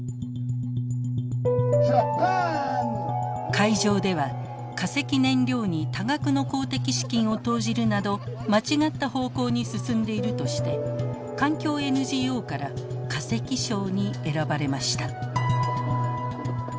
会場では化石燃料に多額の公的資金を投じるなど間違った方向に進んでいるとして環境ＮＧＯから化石賞に選ばれました。